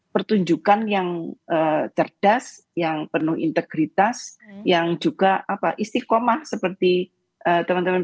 pertunjukan yang cerdas yang penuh integritas yang juga istiqomah seperti teman teman